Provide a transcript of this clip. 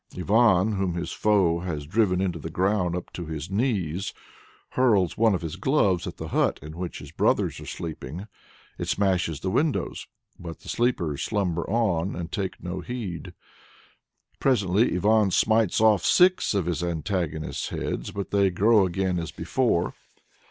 Ivan, whom his foe has driven into the ground up to his knees, hurls one of his gloves at the hut in which his brothers are sleeping. It smashes the windows, but the sleepers slumber on and take no heed. Presently Ivan smites off six of his antagonist's heads, but they grow again as before.